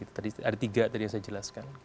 tadi ada tiga tadi yang saya jelaskan